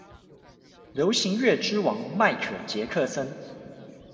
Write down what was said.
流行樂之王麥可傑克森